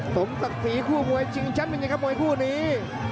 สมศักดิ์สีคู่มวยจริงจันทร์เป็นยังไงครับมวยคู่นี้